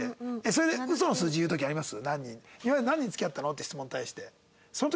それで嘘の数字言う時あります？